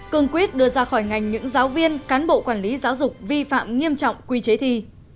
cương quyết đưa ra khỏi ngành những giáo viên cán bộ quản lý giáo dục vi phạm nghiêm trọng quy chế thi